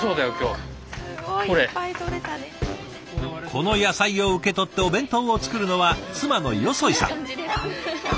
この野菜を受け取ってお弁当を作るのは妻の粧さん。